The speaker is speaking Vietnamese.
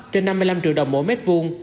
trên năm mươi năm triệu đồng mỗi mét vuông